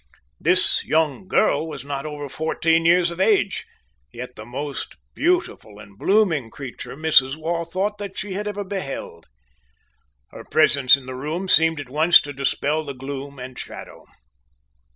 This young girl was not over fourteen years of age, yet the most beautiful and blooming creature, Mrs. Waugh thought, that she had ever beheld. Her presence in the room seemed at once to dispel the gloom and shadow.